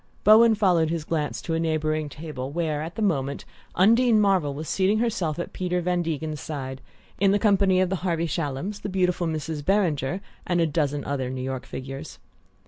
Bowen followed his glance to a neighbouring table, where, at the moment, Undine Marvell was seating herself at Peter Van Degen's side, in the company of the Harvey Shallums, the beautiful Mrs. Beringer and a dozen other New York figures.